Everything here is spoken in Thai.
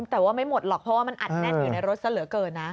แต่ว่าไม่หมดหรอกเพราะว่ามันอัดแน่นอยู่ในรถซะเหลือเกินนะ